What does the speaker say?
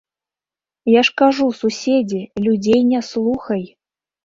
Я ж кажу, суседзе, людзей не слухай!